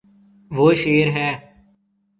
وہ شیر ہے